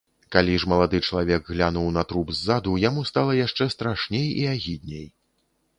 Калі ж малады чалавек глянуў на труп ззаду, яму стала яшчэ страшней і агідней.